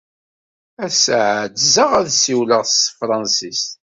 Ass-a ɛedzeɣ ad ssiwleɣ s tefṛensist.